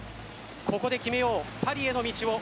ココで決めよう、パリへの道を。